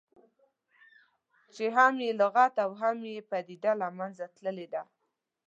چې هم یې لغت او هم یې پدیده له منځه تللې ده.